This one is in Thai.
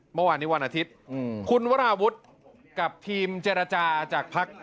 เมื่อวานนี้วันอาทิตย์คุณวราวุฒิกับทีมเจรจาจากพัก